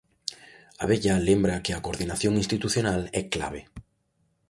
Abella lembra que a coordinación institucional é clave.